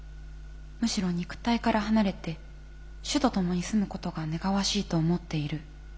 「むしろ肉体から離れて主と共に住むことが願わしいと思っている」と。